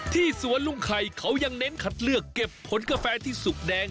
สวนลุงไข่เขายังเน้นคัดเลือกเก็บผลกาแฟที่สุกแดง